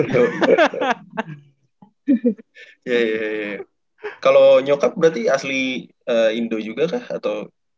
iya iya iya kalau nyokap berarti asli indo juga kah atau